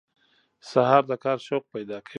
سهار د کار شوق پیدا کوي.